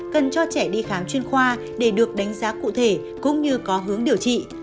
cần cho trẻ đi khám chuyên khoa để được đánh giá cụ thể cũng như có hướng điều trị